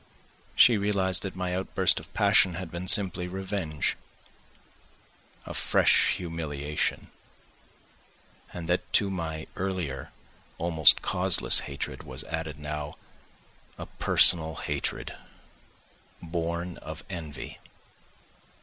She realised that my outburst of passion had been simply revenge, a fresh humiliation, and that to my earlier, almost causeless hatred was added now a personal hatred, born of envy....